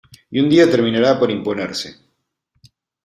Y un día terminará por imponerse.